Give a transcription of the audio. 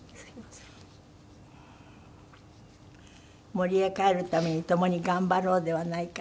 「森へ帰るために共に頑張ろうではないか」